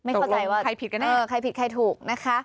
ตกลงใครผิดกันแน่ะนะคะใครผิดใครถูก